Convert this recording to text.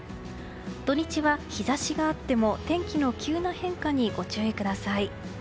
土日は日差しがあっても天気の急な変化にご注意ください。